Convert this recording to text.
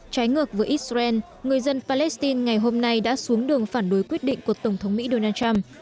trái ngược với israel người dân palestine ngày hôm nay đã xuống đường phản đối quyết định của tổng thống mỹ donald trump